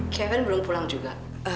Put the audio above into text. kevin belum pulang juga